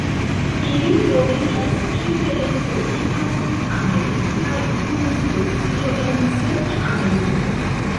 Ili troviĝas ĉefe en tropika Sudameriko, kaj unu specio en Centrameriko.